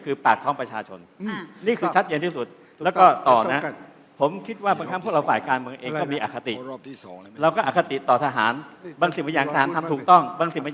เราก็ต่อตะหางหนังสินอย่างอาหารทำตรงผมพินการทำให้ถูกต้อง